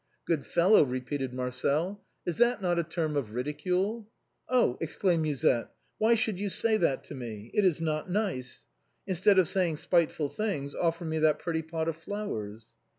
" Good fellow," repeated Marcel, " is not that a term of ridicule ?"" Oh !" exclaimed Musette, " why should 3'ou say that to me? It is not nice. Instead of saying spiteful things offer me that pretty pot of flowers."